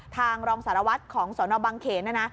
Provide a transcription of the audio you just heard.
ทางรองสารวัฒน์ของสวนบังเขณฑ์นะนะ